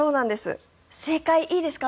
正解いいですか？